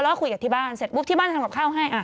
แล้วก็คุยกับที่บ้านเสร็จปุ๊บที่บ้านทำกับข้าวให้